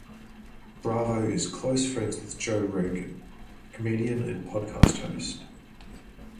Bravo is close friends with Joe Rogan, comedian and podcast host.